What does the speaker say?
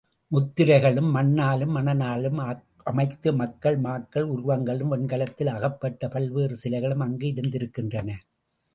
முத்திரைகளும் மண்ணாலும், மணலாலும் அமைத்த மக்கள், மாக்கள் உருவங்களும், வெண்கலத்தால் ஆக்கப்பட்ட பல்வேறு சிலைகளும் அங்கு இருந்திருக்கின்றன.